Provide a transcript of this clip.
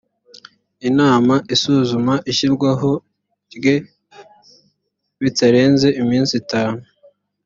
inama isuzuma ishyirwaho rye bitarenze iminsi itanu